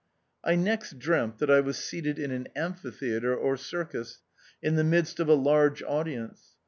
I next dreamt that I was seated in an THE OUTCAST. 23 amphitheatre or circus, in the midst of a large audience.